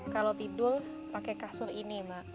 kalau tidur pakai kasur ini mbak